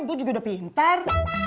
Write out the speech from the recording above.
gue juga udah pintar